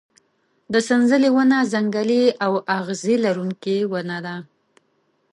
د سنځلې ونه ځنګلي او اغزي لرونکې ونه ده.